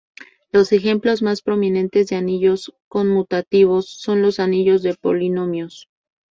Los ejemplos más prominentes de anillos conmutativos son los anillos de polinomios.